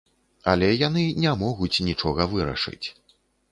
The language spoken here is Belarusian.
Але яны не могуць нічога вырашыць.